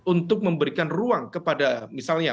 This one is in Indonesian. untuk memberikan ruang kepada misalnya